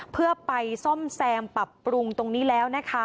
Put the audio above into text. เพื่อไปซ่อมแซมปรับปรุงตรงนี้แล้วนะคะ